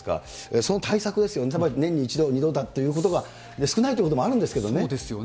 その対策ですよね、年に１度、２度だということが、少ないといそうですよね。